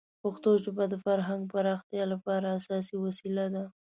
پښتو ژبه د فرهنګ پراختیا لپاره اساسي وسیله ده.